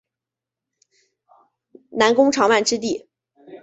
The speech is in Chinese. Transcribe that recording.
南宫长万之弟。